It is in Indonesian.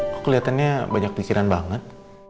kau keliatannya banyak pikiran banget